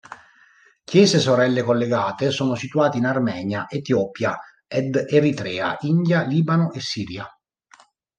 Chiese sorelle collegate sono situate in Armenia, Etiopia ed Eritrea, India, Libano e Siria.